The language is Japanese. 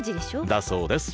だそうです